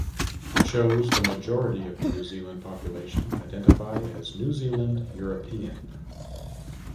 It shows the majority of the New Zealand population identify as New Zealand European.